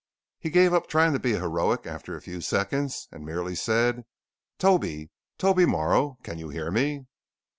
He gave up trying to be heroic after a few seconds, and merely said: "Toby! Toby Morrow! Can you hear me?"